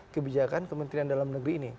kebijakan kementerian dalam negeri ini